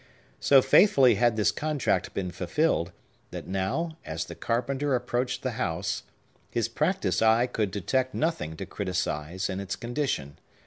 So faithfully had this contract been fulfilled, that now, as the carpenter approached the house, his practised eye could detect nothing to criticise in its condition.